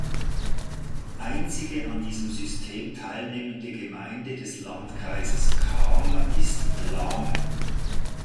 Einzige an diesem System teilnehmende Gemeinde des Landkreises Cham ist Lam.